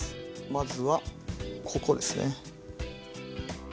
まずはここですね。